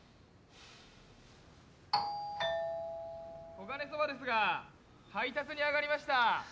・コガネ蕎麦ですが配達に上がりました。